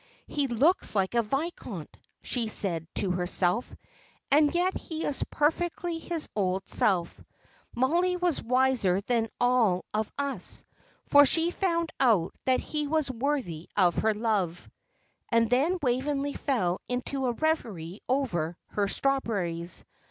"He looks like a viscount," she said to herself, "and yet he is perfectly his old self. Mollie was wiser than all of us, for she found out that he was worthy of her love." And then Waveney fell into a reverie over her strawberries.